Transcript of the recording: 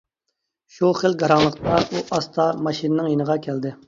شۇ خىل گاراڭلىقتا ئۇ ئاستا ماشىنىنىڭ يېنىغا كەلدى.